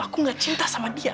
aku gak cinta sama dia